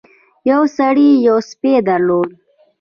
یو سړي یو سپی درلود.